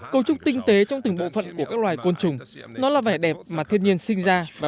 cấu trúc tinh tế trong từng bộ phận của các loài côn trùng nó là vẻ đẹp mà thiên nhiên sinh ra và